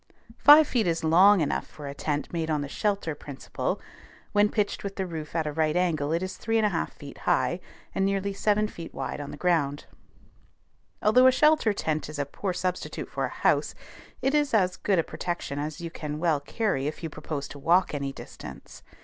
Five feet is long enough for a tent made on the "shelter" principle; when pitched with the roof at a right angle it is 3 1/2 feet high, and nearly seven feet wide on the ground. Although a shelter tent is a poor substitute for a house, it is as good a protection as you can well carry if you propose to walk any distance.